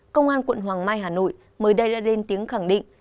công an quận hoàng mai hà nội mới đây đã lên tiếng khẳng định